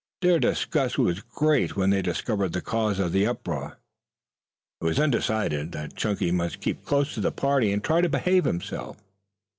Their disgust was great when they discovered the cause of the uproar. It was then decided that Chunky must keep close to the party and try to behave himself.